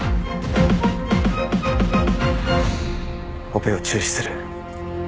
オペを中止する。